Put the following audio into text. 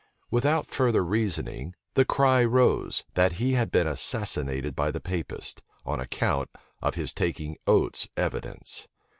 Without further reasoning, the cry rose, that he had been assassinated by the Papists, on account of his taking Oates's evidence.